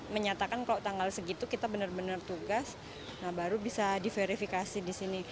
menyatakan kalau tanggal segitu kita benar benar tugas nah baru bisa diverifikasi di sini